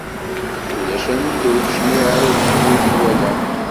Ulac anda ur cniɣ ala di tmurt i walaɣ.